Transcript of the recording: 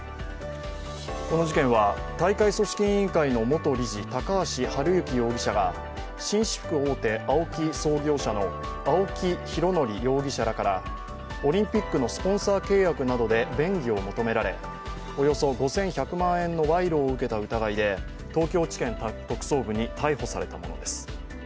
この事件は大会組織委員会の元理事、高橋治之容疑者が紳士服大手・ＡＯＫＩ創業者の青木拡憲容疑者らからオリンピックのスポンサー契約などで便宜を求められおよそ５１００万円の賄賂を受けた疑いで東京地検特捜部に逮捕されたものです。